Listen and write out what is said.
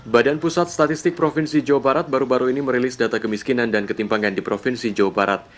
badan pusat statistik provinsi jawa barat baru baru ini merilis data kemiskinan dan ketimpangan di provinsi jawa barat